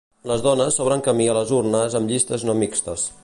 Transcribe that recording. Les dones s'obren camí a les urnes amb llistes no mixtes.